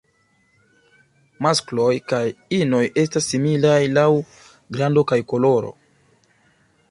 Maskloj kaj inoj estas similaj laŭ grando kaj koloro.